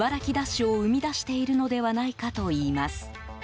それが、茨城ダッシュを生み出しているのではないかといいます。